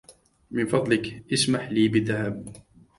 من فضلك اسمح لي بالذهاب.